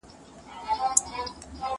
کېدای سي کتابتون بند وي!!